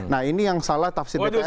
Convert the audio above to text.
nah ini yang salah tafsir dpr misalnya ya